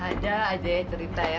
ada aja ya cerita ya